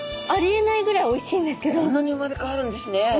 こんなに生まれ変わるんですね。